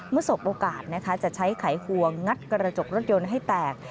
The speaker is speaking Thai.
เมื่อสบโอกาสจะใช้ไขขัวงัดกระจกรถยนต์ให้แตก